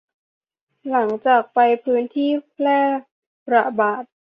หลังจากไปพื้นที่แพร่ระบาด